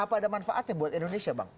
apa ada manfaatnya buat indonesia bang